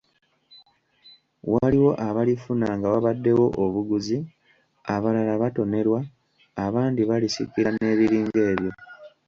Waliwo abalifuna nga wabaddewo obuguzi, abalala batonerwa, abandi balisikira n’ebiringa ebyo.